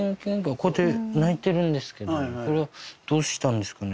こうやって鳴いてるんですけどこれはどうしたんですかね？